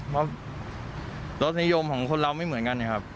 เพราะรสนิยมของคนเราไม่เหมือนกันนะครับ